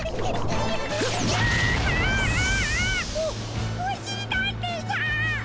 おおしりたんていさん！